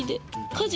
家事。